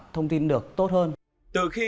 thông tin được tốt hơn từ khi